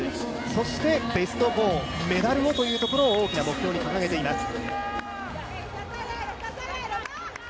そしてベスト４、メダルをというところを大きな目標に掲げています。